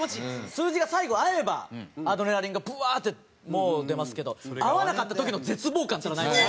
数字が最後合えばアドレナリンがブワーッて出ますけど合わなかった時の絶望感といったらないです。